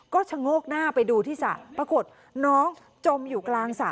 ก็ชะโงกหน้าไปดูที่สระปรากฏน้องจมอยู่กลางสระ